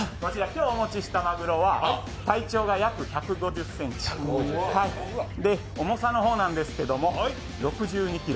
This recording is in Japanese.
今日お持ちしたマグロは体長が約１５０ｃｍ重さの方なんですけど６２ｋｇ。